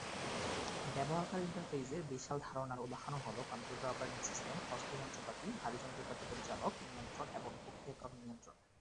ব্যবহারকারী ইন্টারফেসের বিশাল ধারনার উদাহরণ হল কম্পিউটার অপারেটিং সিস্টেম, হস্ত যন্ত্রপাতি, ভারী যন্ত্রপাতি পরিচালক নিয়ন্ত্রণ এবং প্রক্রিয়াকরণ নিয়ন্ত্রণ।